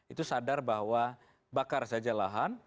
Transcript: itu sadar bahwa bakar saja lahan